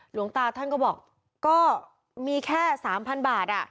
หลวงตาท่านก็บอกก็มีแค่๓๐๐๐บาท